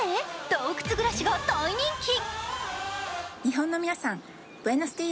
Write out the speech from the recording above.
洞窟暮らしが大人気。